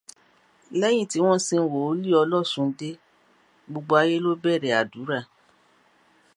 Lẹ́yìn tí wọ́n sin wòlíì Ọlọ́ṣundé, gbogbo ayé ló bẹ̀rẹ̀ àdúrà